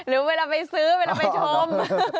หรือเวลาไปซื้อเวลาไปชม